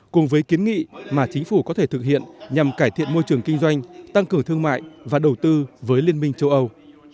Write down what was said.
cùng với kiến nghị mà chính phủ có thể thực hiện nhằm cải thiện môi trường kinh doanh tăng cường thương mại và đầu tư với liên minh châu âu